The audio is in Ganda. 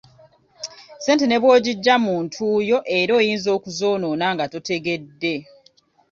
Ssente ne bw'ogijja mu ntuuyo era oyinza okuzoonoona nga totegedde.